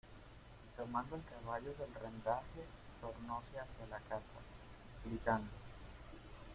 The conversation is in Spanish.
y tomando el caballo del rendaje tornóse hacia la casa, gritando: